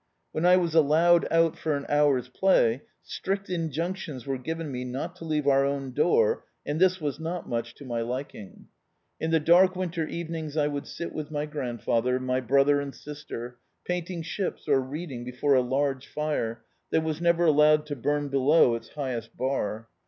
When I was allowed out for an hour's play, strict injunctions were given me not to leave our own door, and this was not much to my liking. In the dark winter evenings I would sit with my grand father, my brother and sister, painting ships or read ing before a large fire that was never allowed to bum below its highest bar.